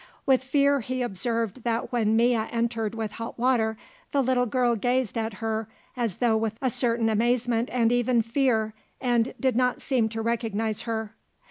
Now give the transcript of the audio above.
With fear he observed that when Mea entered with hot water the little girl gazed at her as though with a certain amazement and even fear and did not seem to recognize her.